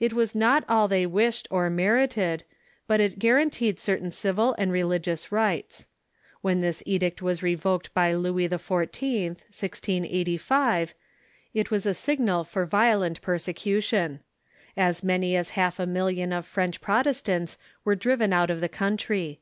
It was not all they wished or merited, but it guaranteed certain civil and religious rights. When this Edict was revoked by Louis XIV. (1685), it was a signal for violent persecution. As many as half a million of French Protestants were driven out of tlie country.